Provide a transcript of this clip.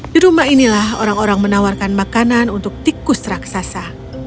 di rumah inilah orang orang menawarkan makanan untuk tikus raksasa